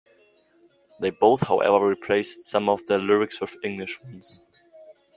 They both however replace some of the lyrics with English ones.